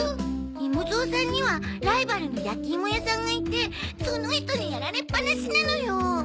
井茂三さんにはライバルの焼き芋屋さんがいてその人にやられっぱなしなのよ。